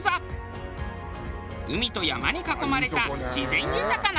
海と山に囲まれた自然豊かなお宿。